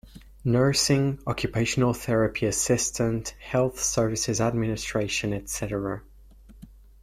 Nursing, Occupational Therapy Assistant, Health Services Administration etc.